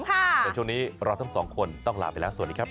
ส่วนช่วงนี้เราทั้งสองคนต้องลาไปแล้วสวัสดีครับ